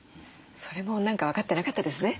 それも何か分かってなかったですね。